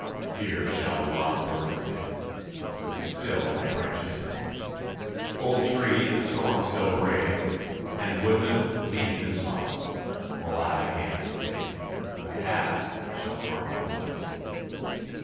Here shall the wild bird sing, And still thy branches bend. Old tree! the storm still brave! And, woodman, leave the spot; While I've a hand to save, thy axe shall harm it not.